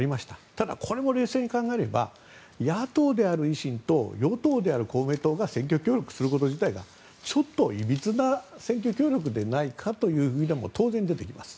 ただ、これも冷静に考えれば野党である維新と与党である公明党が選挙協力すること自体がちょっといびつな選挙協力ではないかという意見も当然出てきます。